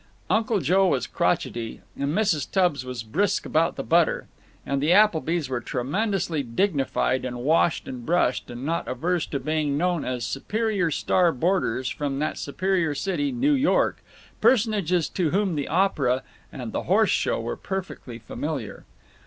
Uncle Joe was crotchety, and Mrs. Tubbs was brisk about the butter, and the Applebys were tremendously dignified and washed and brushed, and not averse to being known as superior star boarders from that superior city, New York, personages to whom the opera and the horse show were perfectly familiar.